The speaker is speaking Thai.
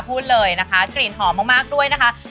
พูดเลยนะคะกลิ่นหอมมากด้วยนะคะ